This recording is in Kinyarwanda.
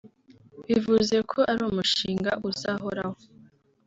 bivuze ko ari umushinga uzahoraho